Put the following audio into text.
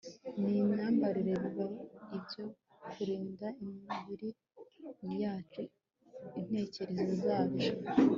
nimyambarire biba ibyo kurinda imibiri yacu intekerezo zacu